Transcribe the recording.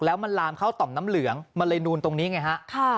แล้วมันลามเข้าต่อมน้ำเหลืองมันเลยนูนตรงนี้ไงฮะ